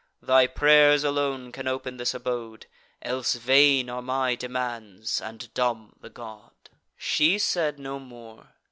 Thy pray'rs alone can open this abode; Else vain are my demands, and dumb the god." She said no more.